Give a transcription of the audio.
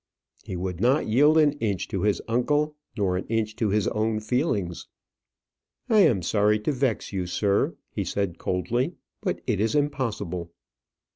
He would not yield an inch to his uncle; nor an inch to his own feelings. "I am sorry to vex you, sir," he said, coldly, "but it is impossible."